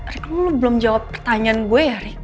rik lo belum jawab pertanyaan gue ya rik